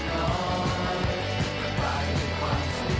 กลายเป็นความสุดยอด